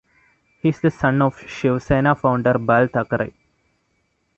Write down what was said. He is the son of Shiv Sena founder Bal Thackeray.